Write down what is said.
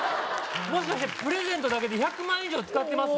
もしかしてプレゼントだけで１００万以上使ってます！？